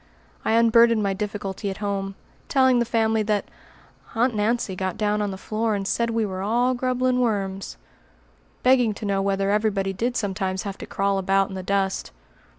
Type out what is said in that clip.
I unburdened my difficulty at home, telling the family that "Aunt Nancy got down on the floor and said we were all grubbelin' worms," begging to know whether everybody did sometimes have to crawl about in the dust.